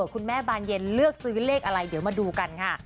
คุณแม่บานเย็นเลือกซื้อเลขอะไรเดี๋ยวมาดูกันค่ะ